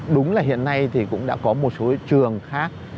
đúng là hiện nay thì cũng đã có một số trường khác